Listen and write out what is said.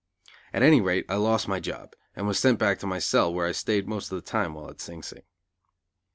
At any rate, I lost my job, and was sent back to my cell, where I stayed most of the time while at Sing Sing.